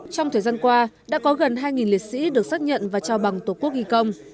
trong thời gian qua đã có gần hai liệt sĩ được xác nhận và trao bằng tổ quốc ghi công